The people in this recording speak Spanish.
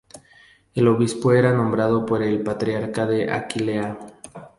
El obispo era nombrado por el Patriarca de Aquilea.